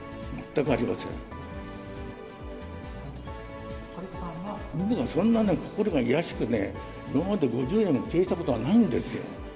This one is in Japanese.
僕はそんなに心が卑しく、今まで５０年経営したことはないんですよ。